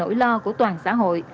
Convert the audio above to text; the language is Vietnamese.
nổi lo của toàn xã hội